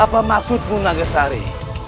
apa maksudmu nagasari